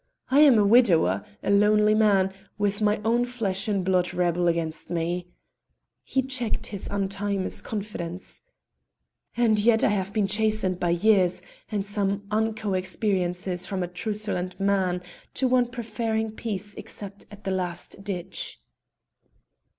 I am a widower, a lonely man, with my own flesh and blood rebel against me" he checked his untimeous confidence "and yet I have been chastened by years and some unco experiences from a truculent man to one preferring peace except at the last ditch."